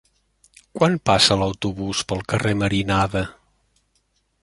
Quan passa l'autobús pel carrer Marinada?